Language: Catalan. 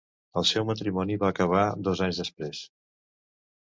El seu matrimoni va acabar dos anys després.